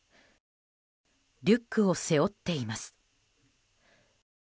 リュックを背負っています。